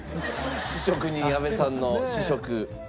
試食に阿部さんの試食。